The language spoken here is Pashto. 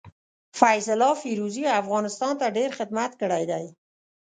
فيض الله فيروزي افغانستان ته ډير خدمت کړي دي.